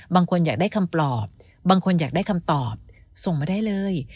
บางคนอยากได้คำปลอบบางคนอยากได้คำตอบส่งมาได้เลย